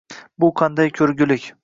Bu qanday ko`rgulik